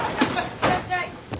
いらっしゃい。